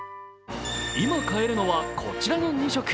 今買えるのはこちらの２色。